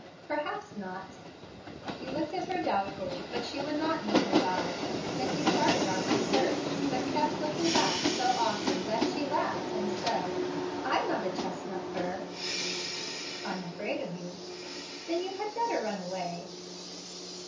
"Perhaps not." He looked at her doubtfully, but she would not meet his eye. Then he started on his search, but kept looking back so often that she laughed, and said, "I'm not a chestnut burr." "I'm afraid of you." "Then you had better run away."